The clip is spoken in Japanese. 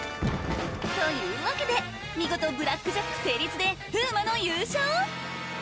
というわけで見事ブラックジャック成立で風磨の優勝